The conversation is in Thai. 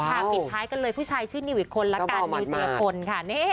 ปิดท้ายกันเลยผู้ชายชื่อนิวอีกคนละกันนิวสุรพลค่ะ